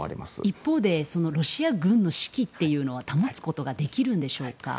一方でロシア軍の士気は保つことができるんでしょうか。